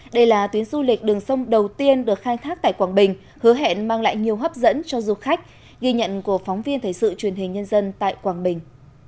đây là tuyến du lịch đường sông đầu tiên được khai thác tại quảng bình hứa hẹn mang lại nhiều hấp dẫn cho du khách ghi nhận của phóng viên thời sự truyền hình nhân dân tại quảng bình